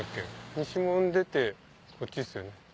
西門出てこっちっすよね。